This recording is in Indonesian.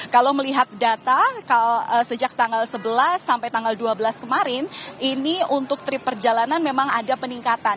kalau melihat data sejak tanggal sebelas sampai tanggal dua belas kemarin ini untuk trip perjalanan memang ada peningkatan